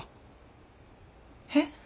えっ？